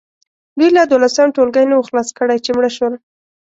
دوی لا دولسم ټولګی نه وو خلاص کړی چې مړه شول.